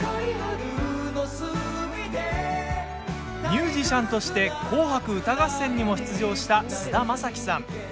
ミュージシャンとして「紅白歌合戦」にも出場した菅田将暉さん。